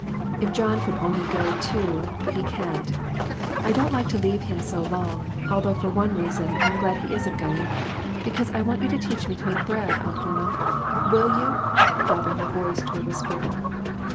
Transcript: If John could only go, too, but he can't. I don't like to leave him so long, although for one reason I'm glad he isn't going, because I want you to teach me to make bread, Aunt Hannah ; will you?" dropping her voice to a whisper.